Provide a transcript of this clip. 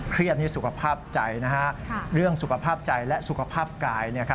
เครียดในสุขภาพใจนะฮะเรื่องสุขภาพใจและสุขภาพกาย